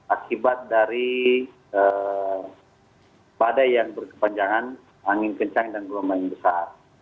akibat dari badai yang berkepanjangan angin kencang dan gelombang besar